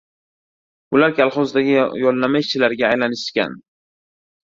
Ular kolxozdagi yollanma ishchilarga aylanishgan.